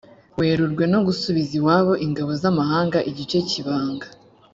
werurwe no gusubiza iwabo ingabo z amahanga igice k ibanga